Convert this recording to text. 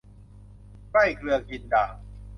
ใกล้เกลือกินด่าง